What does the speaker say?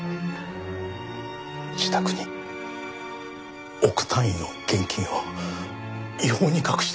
自宅に億単位の現金を違法に隠していると。